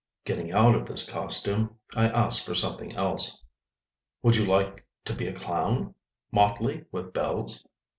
Getting out of this costume, I asked for something else. "Would you like to be a clown? Motley with bells."